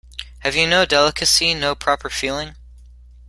Have you no delicacy, no proper feeling?